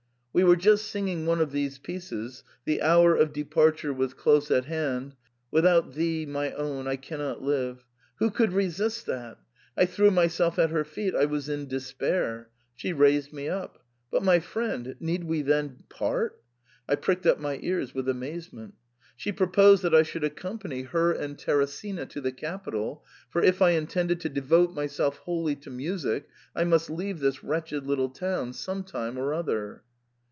We were just singing one of these pieces, the hour of departure was close at hand —* Senza di te ben mioj vivere non poss' to* (* Without thee, my own, I can not live !') Who could resist that ? I threw myself at her feet — I was in despair. She raised me up —* But, ^ my friend, need we then part ?' I pricked up my ears with amazement. She proposed that I should accom pany her and Teresina to the capital, for if I intended to devote myself wholly to music I must leave this wretched little town some time or other.